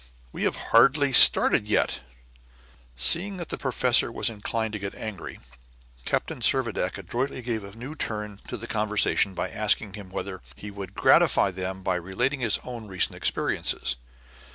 We have hardly started yet." Seeing that the professor was inclined to get angry, Captain Servadac adroitly gave a new turn to the conversation by asking him whether he would gratify them by relating his own recent experiences.